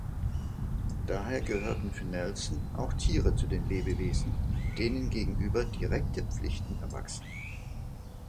Daher gehörten für Nelson auch Tiere zu den Lebewesen, denen gegenüber direkte Pflichten erwachsen.